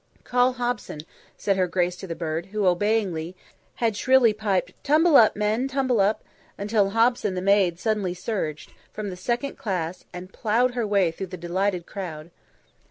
"Call Hobson," said her grace to the bird, who, obeying, had shrilly piped, "Tumble up, men, tumble up," until Hobson the maid suddenly surged, from the second class and ploughed her way through the delighted crowd.